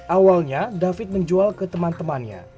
awalnya david menjual ke teman temannya